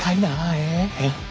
ええ？